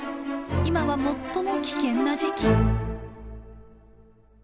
今は最も危険な時期。